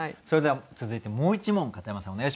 それでは続いてもう一問片山さん